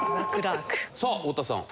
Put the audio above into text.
さあ太田さん。